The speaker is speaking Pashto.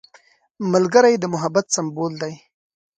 ملګری د محبت سمبول دی